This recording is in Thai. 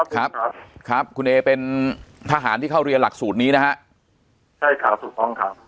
ครับครับคุณเอเป็นทหารที่เข้าเรียนหลักสูตรนี้นะฮะใช่ครับถูกต้องครับ